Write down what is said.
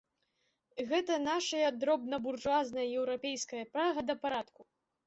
Гэтая нашая дробнабуржуазная еўрапейская прага да парадку.